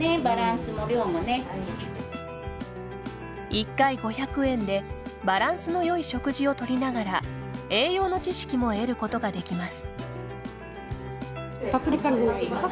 １回５００円でバランスのよい食事をとりながら栄養の知識も得ることができます。